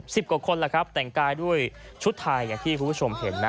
กว่าคนแหละครับแต่งกายด้วยชุดไทยอย่างที่คุณผู้ชมเห็นนะ